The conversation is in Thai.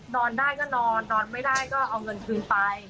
นอนได้ก็นอนนอนไม่ได้ก็เอาเงินคืนไป